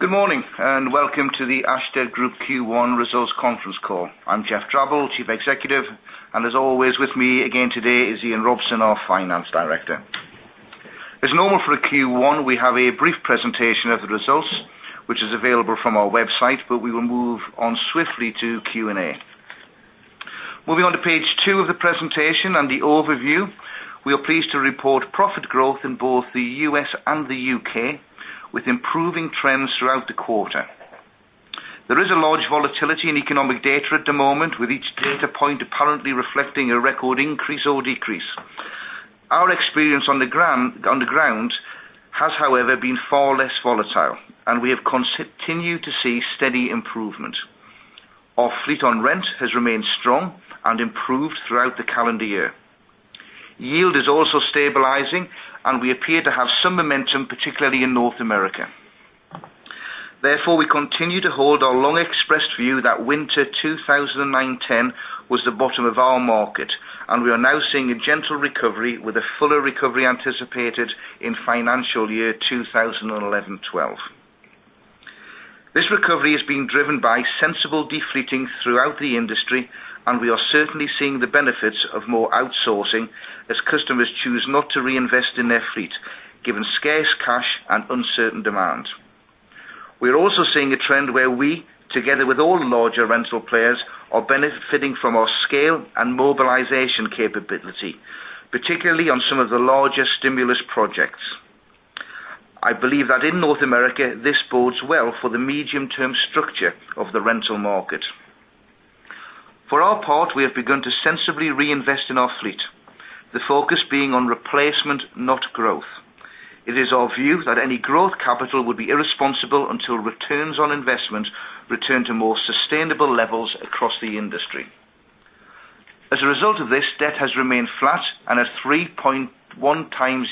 Good morning, and welcome to the ACHTAD Group Q1 Results Conference Call. I'm Geoff Drabble, Chief Executive. And as always with me again today is Ian Robson, our Finance Director. As normal for Q1, we have a brief presentation of the results, which is available from our website, but we will move on swiftly to Q and A. Moving on to Page 2 of the presentation and the overview. We are pleased to report profit growth in both the U. S. And the U. K. With improving trends throughout the quarter. There is a large volatility in economic data at the moment with each data point apparently reflecting a record increase or decrease. Our experience on the ground has, however, been far less volatile, and we have continued to see steady improvement. Our fleet on rent has remained strong and improved throughout the calendar year. Yield is also stabilizing, and we appear to have some momentum particularly in North America. Therefore, we continue to hold our long expressed view that winter 20,009-ten was the bottom of our market, and we are now seeing a gentle recovery with a fuller recovery anticipated in financial year 2011, 'twelve. This recovery is being driven by sensible de fleeting throughout the industry, and we are certainly seeing the benefits of more outsourcing as customers choose not to reinvest in their fleet, given scarce cash and uncertain demand. We're also seeing a trend where we, together with all larger rental players, are benefiting from our scale and mobilization capability, particularly on some of the largest stimulus projects. I believe that in North America, this bodes well for the medium term structure of the rental market. For our part, we have begun to sensibly reinvest in our fleet, the focus being on replacement, not growth. It is our view that any growth capital would be irresponsible until returns on investment return to more sustainable levels across the industry. As a result of this, debt has remained flat and at 3.1x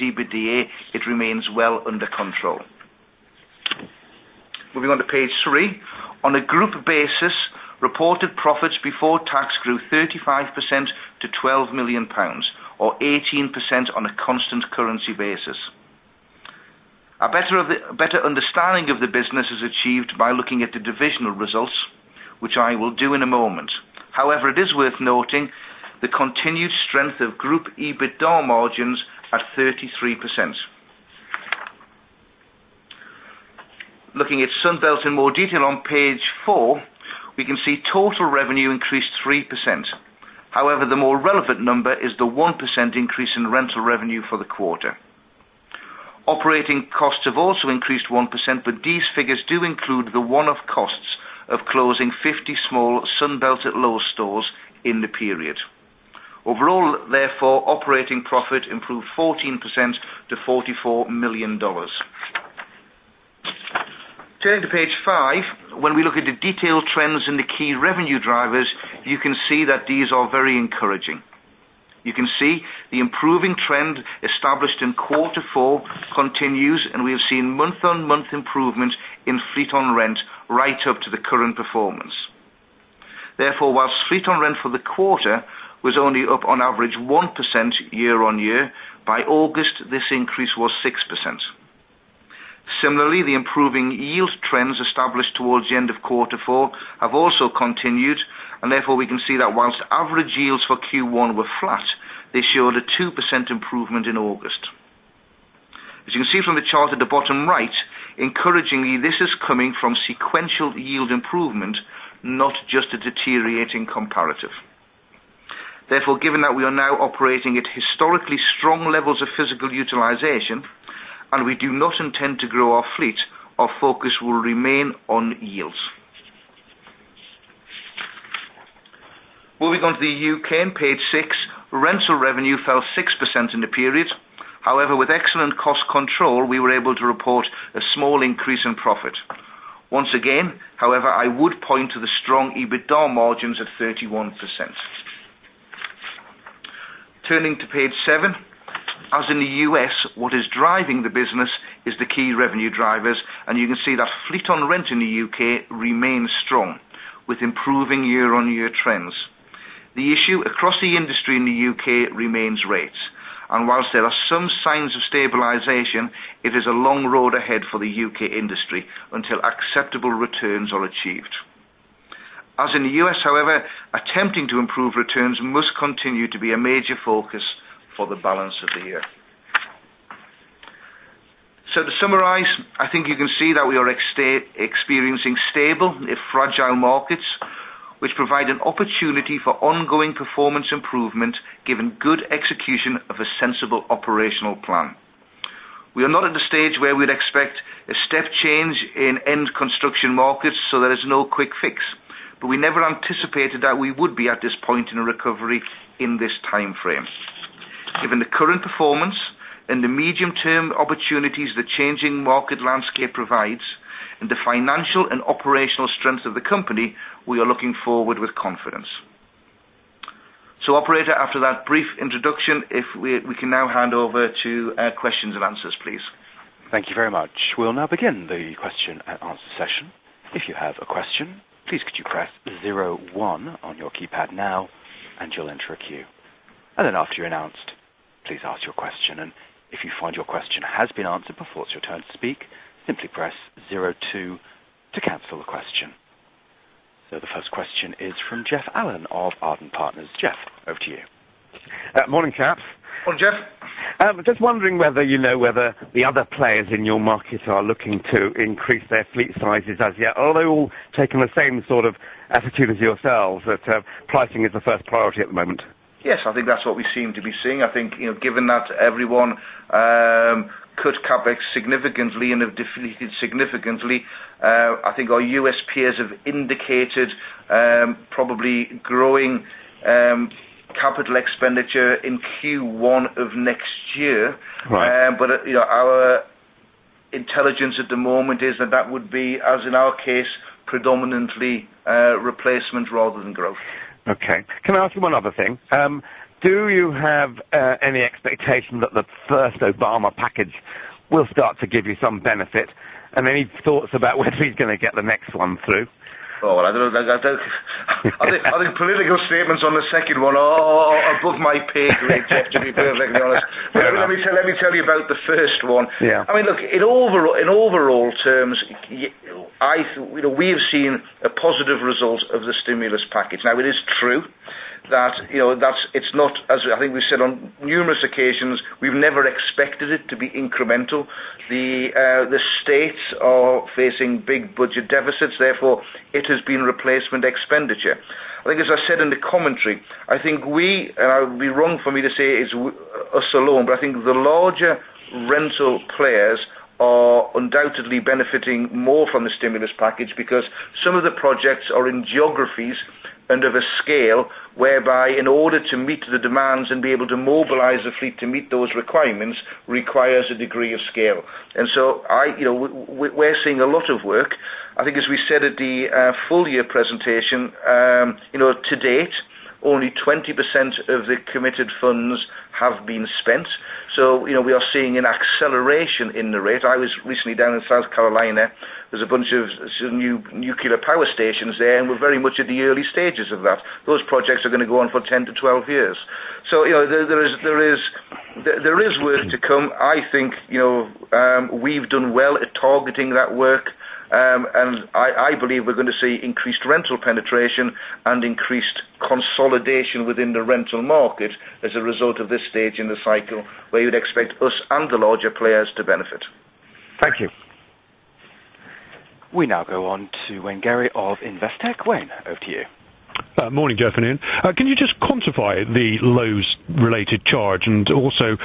EBITDA, it remains well under control. Moving on to Page 3. On a group basis, reported profits before tax grew 35% to £12,000,000 or 18% on a constant currency basis. Continued strength the continued strength of group EBITDA margins at 33%. Looking at Sunbelt in more detail on Page 4, we can see total revenue increased 3%. However, the more relevant number is the 1 increase in rental revenue for the quarter. Operating costs have also increased 1%, but these figures do include the one off costs of closing 50 small Sunbelt at Lowe's stores in the period. Overall, therefore, operating profit improved 14% to $44,000,000 Turning to Page 5. When we look at the detailed trends in the key revenue drivers, you can see that these are very encouraging. You can see the improving trend established in quarter 4 continues, and we have seen month on month improvement in fleet on rent right up to the current performance. Therefore, whilst fleet on rent for the quarter was only up on average 1% year on year, by August, this increase was 6%. Similarly, the improving yield trends established towards the end of quarter 4 have also continued and therefore we can see that whilst average yields for Q1 were flat, they showed a 2% improvement in August. As you can see from the chart at the bottom right, encouragingly, this is coming from sequential yield improvement, not just a deteriorating comparative. Therefore, given that we are now operating at historically strong levels of physical utilization and we do not intend to grow our fleet, our focus will remain on yields. Moving on to the U. K. On Page 6. Rental revenue fell 6% in the period. However, with excellent cost control, we were able to report a small increase in profit. Once again, however, I would point to the strong EBITDA margins of 31%. Turning to Page 7. As in the U. S, what is driving the business is the key revenue drivers, and you can see that fleet on rent in the UK remains strong with improving year on year trends. The issue across the industry in the UK remains rates. And whilst there are some signs of stabilization, it is a long road ahead for the U. K. Industry until acceptable returns are achieved. As in the U. S, however, attempting to improve returns must continue to be a major focus for the balance of the year. So to summarize, I think you can see that we are experiencing stable, if fragile markets, which provide an opportunity for ongoing performance improvement given good execution of a sensible operational plan. We are not at the stage where we'd expect a step change in end construction markets, so there is no quick fix. But we never anticipated that we would be at this point in a recovery in this timeframe. Given the current performance and the medium term opportunities the changing market landscape provides and the financial and operational strengths of the company, we are looking forward with confidence. So operator, after that brief introduction, if we can now hand over to questions and answers, please. Thank you very much. We'll now begin the question and answer So the first question is from Jeff Allen of Arden Partners. Jeff, over to you. Morning, Cath. Morning, Jeff. Just wondering whether you know whether the other players in your markets are looking to increase their fleet sizes as yet. Although taking the same sort of attitude as yourselves that pricing is the first priority at the moment? Yes, I think that's what we seem to be seeing. I think given that everyone could CapEx significantly and have defeated significantly, I think our U. S. Peers have indicated probably growing capital expenditure in Q1 of next year. But our intelligence at the moment is that, that would be, as in our case, predominantly replacement rather than growth. Okay. Can I ask you one other thing? Do you have any expectation that the first Obama package will start to give you some benefit? And any thoughts about whether he's going to get the next one through? Are the political statements on the second one above my pay grade, Jeff, to be perfectly honest. Let me tell you about the first one. I mean, look, in overall terms, we have seen a positive result of the stimulus package. Now it is true that it's not as I think we said on numerous occasions, we've never expected it to be incremental. The states are facing big budget deficits. Therefore, it has been replacement expenditure. I think as I said in the commentary, I think we and I would be wrong for me to say it's a saloon, but I think the larger rental players are undoubtedly benefiting more from the stimulus package because some of the projects are in geographies under the scale whereby in order to meet the demands and be able to mobilize the fleet to meet those requirements requires a degree of scale. And so I we're seeing a lot of work. I think as we said at the full year presentation, to date, only 20% of the committed funds have been spent. So we are seeing an acceleration in the rate. I was recently down in South Carolina. There's a bunch of new nuclear power stations there, and we're very much at the early stages of that. Those projects are going to go on for 10 to 12 years. So there is work to come. I think we've done well at targeting that work, and I believe we're going to see increased rental penetration and increased consolidation within the rental market as a result of this stage in the cycle where you'd expect us and the larger players to benefit. Thank you. We now go on to Wayne Gary of Investec. Wayne, over to you. Good morning, Jeff and Iain. Can you just quantify the Lowe's related charge? And also,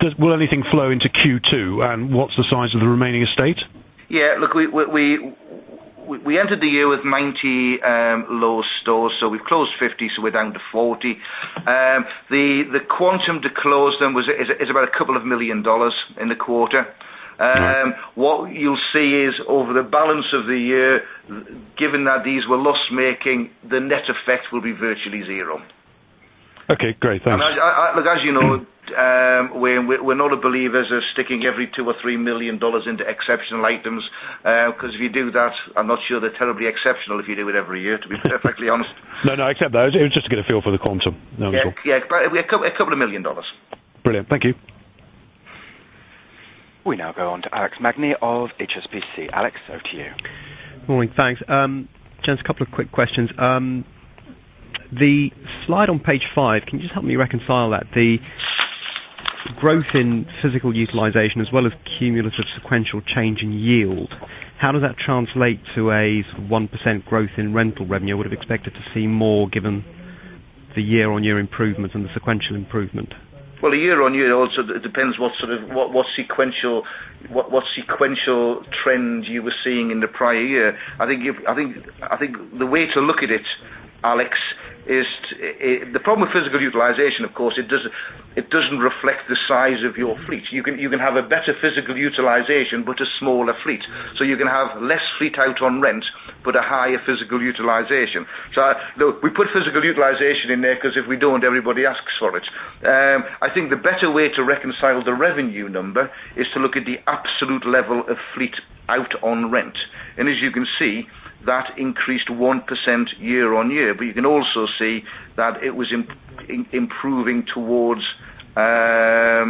does will anything flow into Q2? And what's the size of the remaining estate? Yes. Look, we entered the year with 90 low stores. So we closed 50, so we're down to 40. The quantum to close them is about a couple of $1,000,000 in the quarter. What you'll see is over the balance of the year, given that these were loss making, the net effect will be virtually 0. Okay, great. Thanks. Look, as you know, we're not a believer sticking every $2,000,000 or $3,000,000 into exceptional items because if you do that, I'm not sure they're terribly exceptional if you do it every year, to be perfectly honest. No, no, except those. It was just to get a feel for the quantum. Yes. We have a couple of $1,000,000. Brilliant. Thank you. We now go on to Alex Magni of HSBC. Alex, over to you. Good morning. Thanks. Gents, a couple of quick questions. The slide on Page 5, can you just help me reconcile that? The growth in physical utilization as well as cumulative sequential change in yield, how does that translate to a 1% growth in rental revenue? I would have expected to see more given the year on year improvements and the sequential improvement. Well, the year on year also depends what sort of what sequential trends you were seeing in the prior year. I think the way to look at it, Alex, is the problem with physical utilization, of course, it doesn't reflect the size of your fleet. You can have a better physical utilization, but a smaller fleet. So you can have less fleet out on rent, but a higher physical utilization. So look, we put physical utilization in there because if we don't, everybody asks for it. I think the better way to reconcile the revenue number is to look at the absolute level of fleet out on rent. And as you can see, that increased 1% year on year, but you can also see that it was improving towards the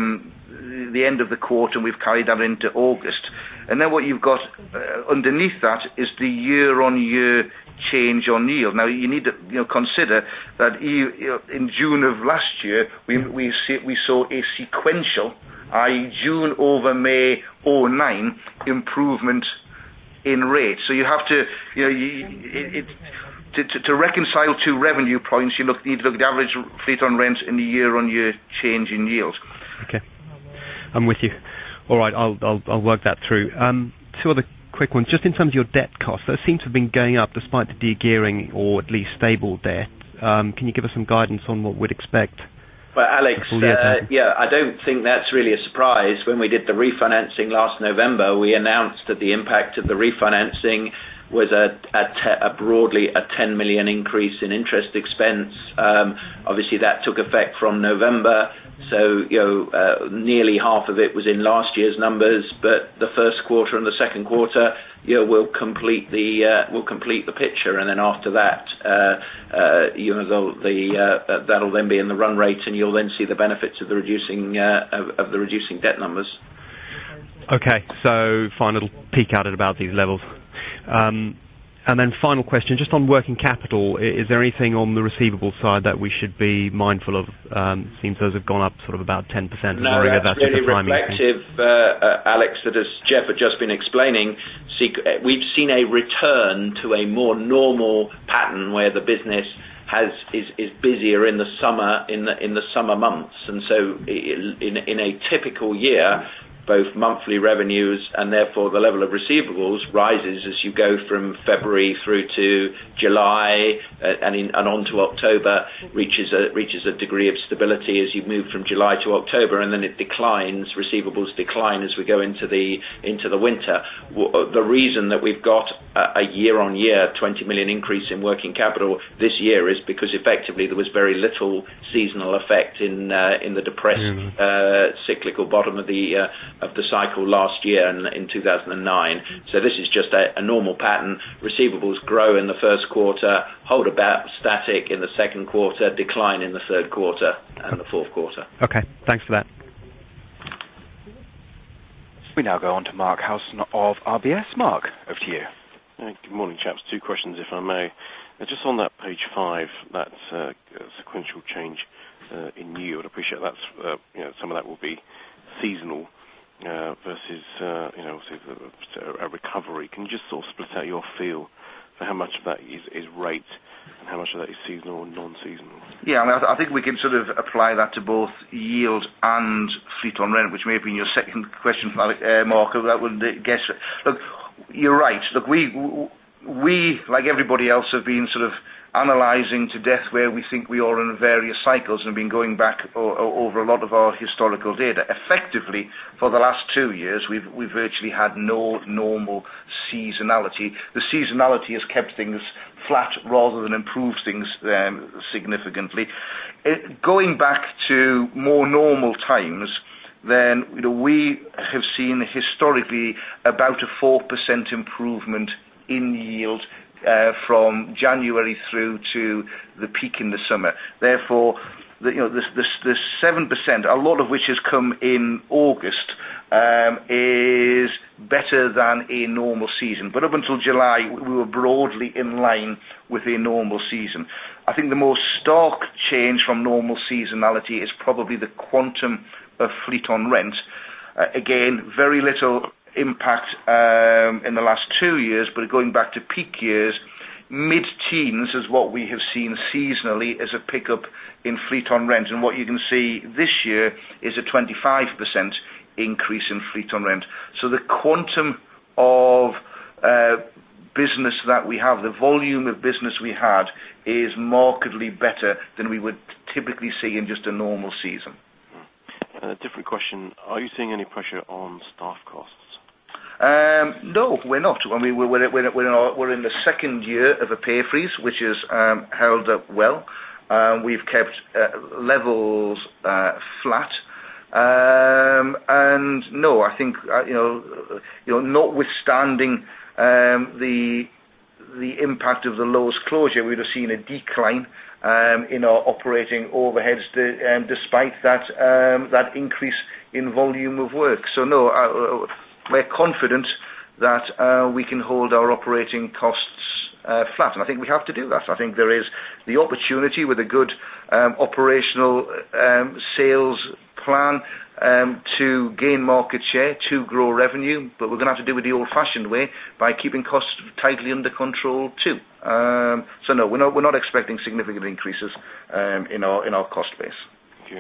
end of the quarter, and we've carried that into August. And then what you've got underneath that is the year on year change on yield. Now you need to consider that in June of last year, we saw a sequential, I. E. June over May 'nine improvement in rates. So you have to to reconcile to revenue points, you need to look at average fleet on rents in the year on year change in yields. Okay. I'm with you. All right. I'll work that through. Two other quick ones. Just in terms of your debt cost, that seems to have been going up despite the de gearing or at least stable debt. Can you give us some guidance on what we'd expect? Well, Alex, yes, I don't think that's really a surprise. When we did the refinancing last November, we announced that the impact of the refinancing was broadly a $10,000,000 increase in interest expense. Obviously, that took effect from November. So, nearly half of it was in last year's numbers, but the Q1 and the Q2 will complete the picture. And then after that, that will then be in the run rate, and you'll then see the benefits of the reducing debt numbers. Okay. So final peek at it about these levels. And then final question, just on working capital, is there anything on the receivable side that we should be mindful of? It seems those have gone up sort of about 10% or even about just the timing. No, it's just reflective, Alex, that as Jeff had just been explaining, And so in a typical year, both monthly revenues and, therefore, the level of receivables rises as you go from February through to July and on to October, reaches a degree of stability as you move from July to October and then it declines, receivables decline as we go into the winter. The reason that we've got a year on year $20,000,000 increase in working capital this year is because effectively there was very little seasonal effect in the depressed cyclical bottom of the cycle last year in 2,009. So, this is just a normal pattern. Receivables grow in the Q1, hold about static in the second quarter, decline in the third quarter and the fourth quarter. Okay. Thanks for that. We now go on to Mark Howson of RBS. Mark, over to you. Good morning, chaps. Two questions, if I may. Just on that Page 5, that's sequential change in yield. I appreciate that's some of that will be seasonal versus a recovery. Can you just sort of split out your feel for how much of that is rate and how much of that is seasonal or nonseasonal? Yes. I mean, I think we can sort of apply that to both yield and fleet on rent, which may have been your second question for Mark. I wouldn't guess. Look, you're right. Look, we, like everybody else, have been sort of analyzing to death where we think we are in various cycles and have been going back over a lot of our historical data. Effectively, for the last 2 years, we virtually had no normal seasonality. The seasonality has kept things flat rather than improved things significantly. Going back to more normal times, then we have seen historically about a 4% improvement in yield from January through to the peak in the summer. Therefore, the 7%, a lot of which has come in August, is better than a normal season. But up until July, we were broadly in line with the normal season. I think the most stark change from normal seasonality is probably the quantum of fleet on rent. Again, very little impact in the last 2 years, but going back to peak years, mid teens is what we have seen seasonally as a pickup in fleet on rent. And what you can see this year is a 25% increase in fleet on rent. So the quantum of business that we have, the volume of business we had is markedly better we would typically see in just a normal season. And a different question. Are you seeing any pressure on staff costs? No, we're not. I mean, we're in the 2nd year of a pay freeze, which has held up well. We've kept levels flat. And no, I think notwithstanding the impact of the Lowe's closure, we'd have seen a decline in our operating overheads despite that increase in volume of work. So no, we're confident that we can hold our operating costs flat. And I think we have to do that. I think there is the opportunity with a good operational sales plan to gain market share, to grow revenue, but we're going to have to do it the old fashioned way by keeping costs tightly under control too. So no, we're not expecting significant increases in our cost base.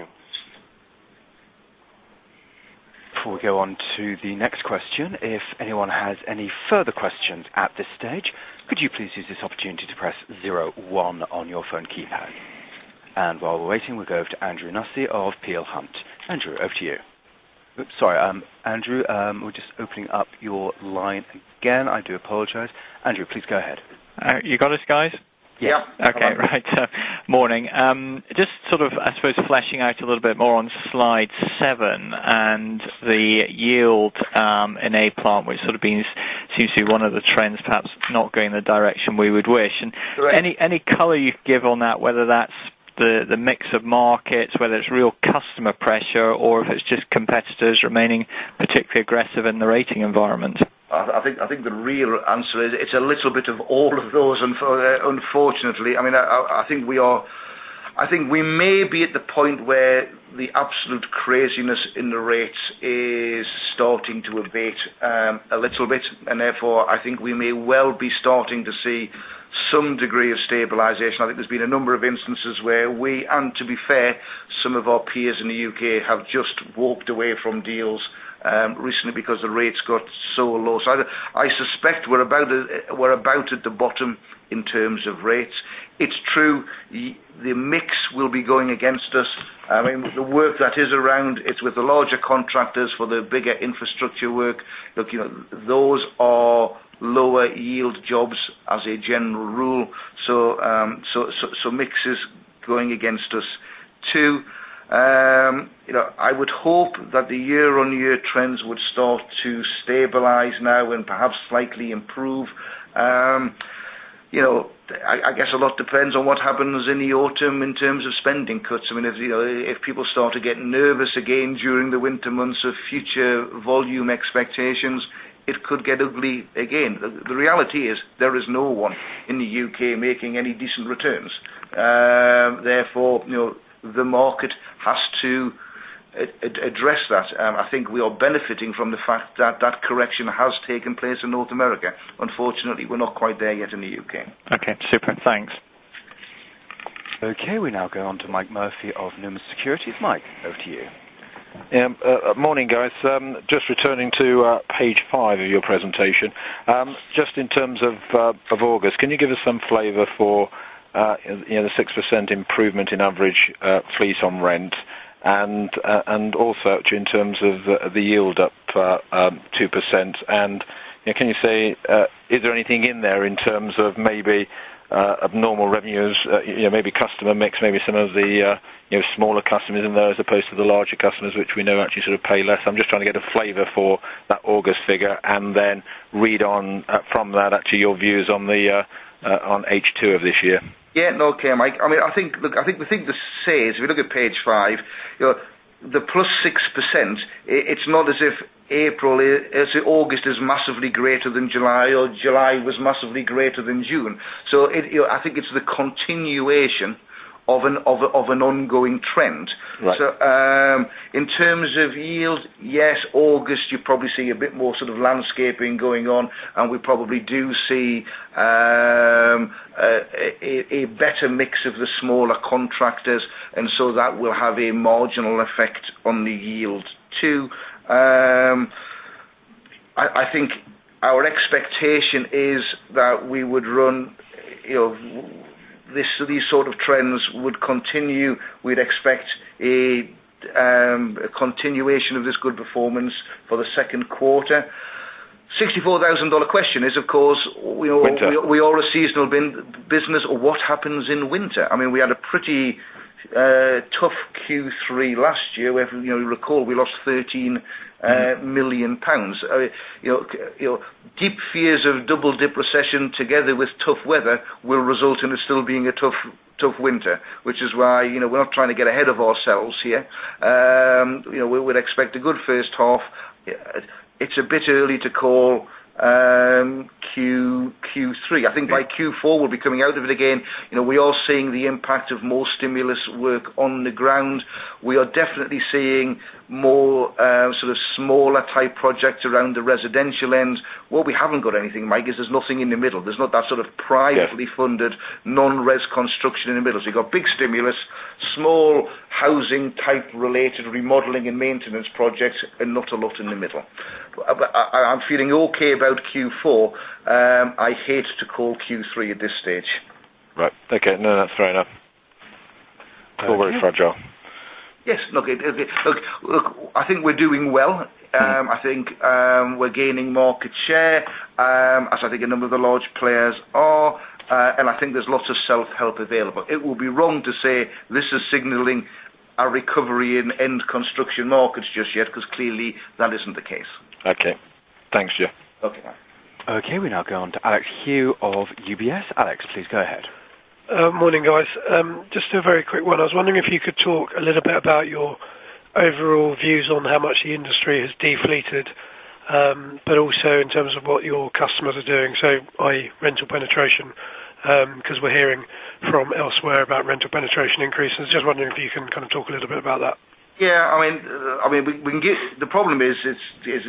And while we're waiting, we'll go over to Andrew Nussey of Peel Hunt. Andrew, over to you. Sorry, Andrew, we're just opening up your line again. I do apologize. Andrew, please go ahead. You got us, guys? Yes. Okay. All right. Good morning. Just sort of I suppose fleshing out a little bit more on Slide 7 and the yield in A Plant, which sort of been seems to be one of the trends perhaps not going in the direction we would wish. And any color you can give on that, whether that's the mix of markets, whether it's real customer pressure or if it's just competitors remaining particularly aggressive in the rating environment? I think the real answer is it's a little bit of all of those unfortunately. I mean, I think we are I think we may be at the point where the absolute craziness in the rates is starting to abate a little bit. And therefore, I think we may well be starting to see some degree of stabilization. I think there's been a number of instances where we and to be fair, some of our peers in the UK have just walked away from deals recently because the rates got so low. So I suspect we're about at the bottom in terms of rates. It's true the mix will be going against us. I mean, the work that is around, it's with the larger contractors for the bigger infrastructure work. Those are lower yield jobs as a general rule. So mix is going against us. 2, I would hope that the year on year trends would start to stabilize now and perhaps slightly improve. I guess a lot depends on what happens in the autumn in terms of spending cuts. I mean, if people start to get nervous again during the winter months of future volume expectations, it could get ugly again. The reality is there is no one in the UK making any decent returns. Therefore, the market has to address that. I think we are benefiting from the fact that, that correction has taken place in North America. Unfortunately, we're not quite there yet in the UK. Okay. Super. Thanks. Okay. We now go on to Mike Murphy of Numis Securities. Mike, over to you. Good morning, guys. Just returning to Page 5 of your presentation. Just in terms of August, can you give us some flavor for the 6% improvement in average fleet on rent and also in terms of the yield up 2%? And can you say, is there anything in there in terms of maybe abnormal revenues, maybe customer mix, maybe some of the smaller customers in there as opposed to the larger customers, which we know actually sort of pay less? I'm just trying to get a flavor for that August figure and then read on from that actually your views on H2 of this year. Yes. Okay, Mike. I mean, I think the thing sales, if you look at Page 5, the plus 6%, it's not as if April as August is massively greater than July or July was massively greater than June. So I think it's the continuation of an ongoing trend. So in terms of yield, yes, August, you probably see a bit more sort of landscaping going on, and we probably do see a better mix of the smaller contractors, and so that will have a marginal effect on the yield too. I think our expectation is that we would run these sort of trends would continue. We'd expect a continuation of this good performance for the Q2. $64,000 question is, of course, we're all a seasonal business, what happens in winter? I mean, we had a pretty tough Q3 last year. If you recall, we lost 13,000,000 pounds Deep fears of double dip recession together with tough weather will result in it still being a tough winter, which is why we're not trying to get ahead of ourselves here. We would expect a good first half. It's a bit early to call Q3. I think by Q4, we'll be coming out of it again. We are seeing the impact of more stimulus work on the ground. We are definitely seeing more sort of smaller type projects around the residential end. What we haven't got anything, Mike, is there's nothing in the middle. There's not that sort of privately funded non res construction in the middle. So you've got big stimulus, small housing type related remodeling and maintenance projects and not a lot in the middle. I'm feeling okay about Q4. I hate to call Q3 at this stage. Right. Okay. No, that's fair enough. We're very fragile. Yes. Look, I think we're doing well. I think we're gaining market share, as I think a number of the large players are. And I think there's lots of self help available. It will be wrong to say this is signaling a recovery in end construction markets just yet because clearly that isn't the case. Okay. We now go on to Alex Hu of UBS. Alex, please go ahead. Just a very quick one. I was wondering if you could talk a little bit about your overall views on how much the industry has deflated, but also in terms of what your customers are doing, so I. E. Rental penetration because we're hearing from elsewhere about rental penetration increases. Just wondering if you can kind of talk a little bit about that. Yes. I mean, we can get the problem is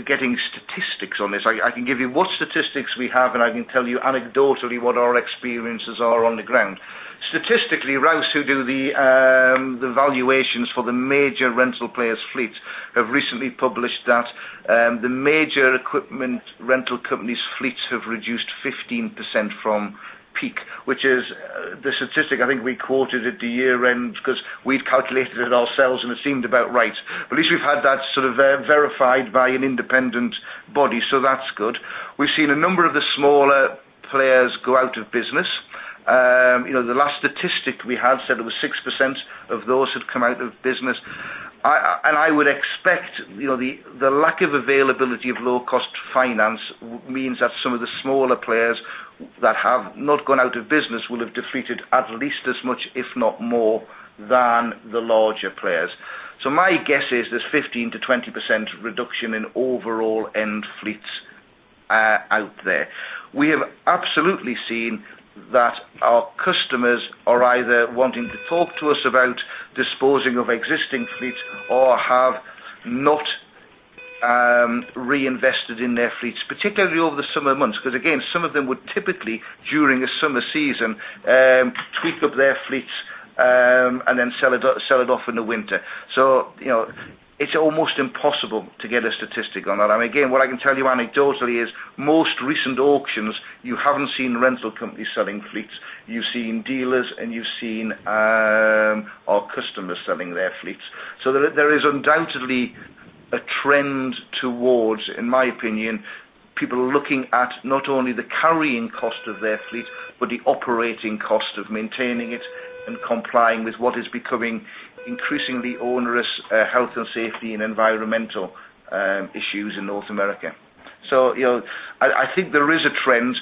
getting statistics on this. I can give you what statistics we have, and I can tell you anecdotally what our experiences are on the ground. Statistically, Rouss who do the valuations major equipment rental companies' fleets have reduced 15% from peak, which is the statistic I think we quoted at the year end because we've calculated it ourselves and it seemed about right. But at least we've had that sort of verified by an independent body, so that's good. We've seen a number of the smaller players go out of business. The last statistic we had said it was 6% of those have come out of business. And I would expect the lack of availability of low cost finance means that some of the smaller players that have not gone out of business will have defeated at least as much, if not more, than the larger players. So my guess is this 15% to 20% reduction in overall end fleets out there. We have absolutely seen that our customers are either wanting to talk to us about disposing of existing fleets or have not reinvested in their fleets, particularly over the summer months, because again, some of them would typically, during the summer season, tweak up their fleets and then sell it off in the winter. So it's almost impossible to get a statistic on that. And again, what I can tell you anecdotally is most recent auctions, you haven't seen rental companies selling fleets. You've seen dealers and you've seen our customers selling their fleets. So there is undoubtedly a trend towards, in my opinion, people are looking at not only the carrying cost of their fleet, but the operating cost of maintaining it and complying with what is becoming increasingly onerous health and safety and environmental issues in North America. So I think there is a trend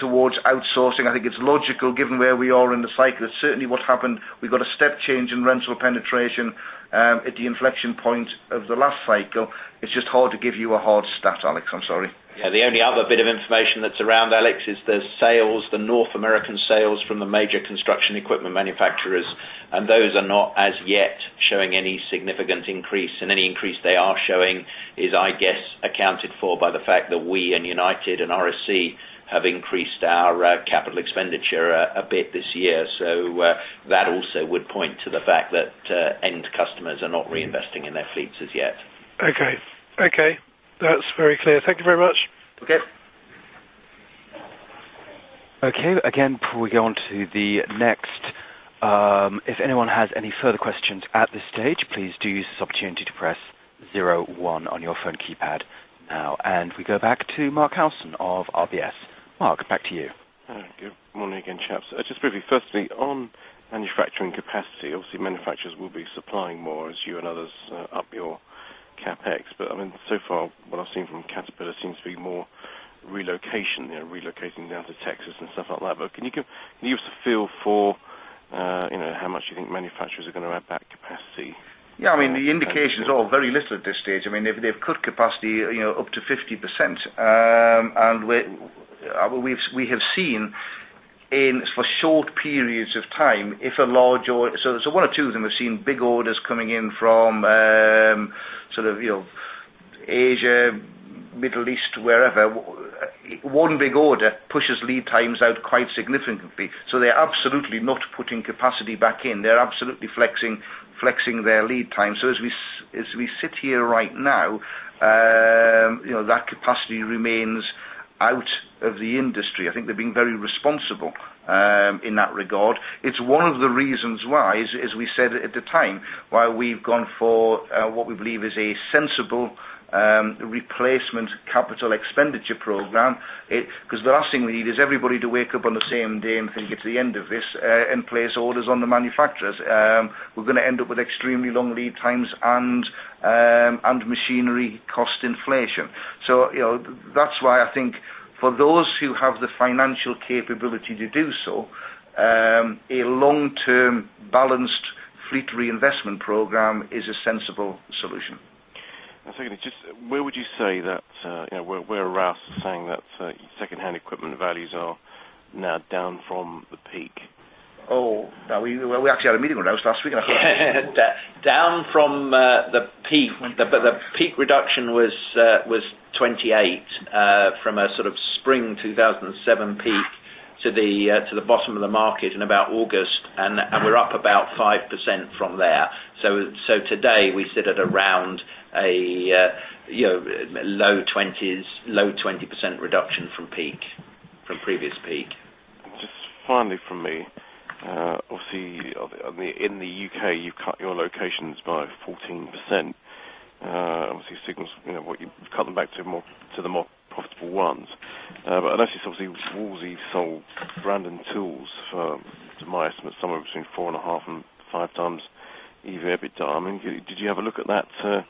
towards outsourcing. I think it's logical given where we are in the cycle. Certainly, what happened, We've got a step change in rental penetration at the inflection point of the last cycle. It's just hard to give you a hard stat, Alex, I'm sorry. Yes. The only other bit of information that's around, Alex, is the sales, the North American sales from the major construction equipment manufacturers, and those are not as yet showing any significant increase. And any increase they are showing is, I guess, accounted for by the fact that we and United and RSC have increased our capital expenditure a bit this year. So that also would point to the fact that end customers are not reinvesting in their fleets as yet. Okay. Okay. That's very clear. Thank you very much. Okay. Okay. Again, before we go on to the next, if anyone has any further questions at this stage, please do use this opportunity to press 1 on your phone keypad. And we go back to Mark Howson of RBS. Mark, back to you. Good morning again, chaps. Just really firstly on manufacturing capacity, obviously, manufacturers will be supplying more as you and others up your CapEx. But I mean, so far, what I've seen from Caterpillar seems to be more relocation, relocating down to Texas and stuff like that. But can you give us a feel for how much you think manufacturers are going to add back capacity? Yes. I mean, the indications are very little at this stage. I mean, if they've put capacity up to 50%, and we have seen in for short periods of time, if a large so 1 or 2 of them have seen big orders coming in from Asia, Middle East, wherever. One big order pushes lead times out quite significantly. So they're absolutely not putting capacity back in. They're absolutely flexing their lead time. So as we sit here right now, that capacity remains out of the industry. I think they've been very responsible in that regard. It's one of the reasons why, as we said at the time, why we've gone for what we believe is a sensible replacement capital expenditure program because the last thing we need is everybody to wake up on the same day and think it's the end of this and place orders on the manufacturers. We're going to end up with extremely long lead times and machinery cost inflation. So that's why I think for those who have the financial capability to do so, a long term balanced fleet reinvestment program is a sensible solution. And secondly, just where would you say that where RAS is saying that secondhand equipment values are now down from the peak? We actually had a meeting with us last week. Down from the peak but the peak reduction was 28% from a sort of spring 2007 peak to the bottom of the market in about August, and we're up about 5% from there. So today, we sit at around a low 20s low 20% reduction from peak from previous peak. Just finally for me. Obviously, I mean, in the U. K, you cut your locations by 14%. Obviously, signals what you've cut them back to the more profitable ones. And that's just obviously Woolsey sold brand and tools to my estimate, somewhere between 4.5x and 5x EVEBITDA. I mean, did you have a look at that as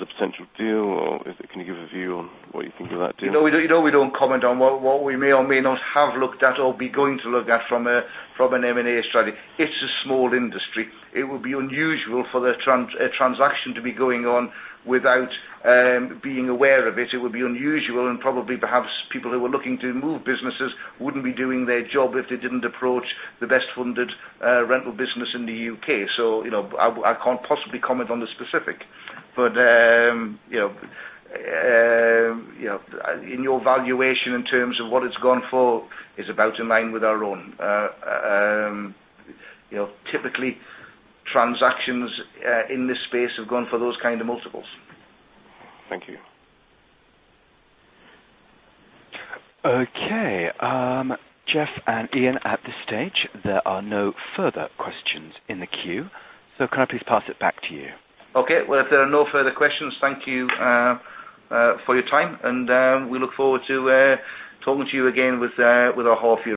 a potential deal? Or can you give a view on what you think of that deal? No, we don't comment on what we may or may not have looked at or be going to look at from an M and A strategy. It's a small industry. It will be unusual for the transaction to be going on without being aware of it. It would be unusual and probably perhaps people who were looking to move businesses wouldn't be doing their job if they didn't approach the best funded rental business in the UK. So I can't possibly comment on the specific. But in your valuation in terms of what it's gone for is about in line with our own. Typically, transactions in this space have gone for those kind of multiples. Thank you. Okay. Geoff and Ian at this stage, there are no further questions in the queue. So can I please pass it back to you? Okay. Well, if there are no further questions, thank you for your time. And we look forward to talking to you again with our half year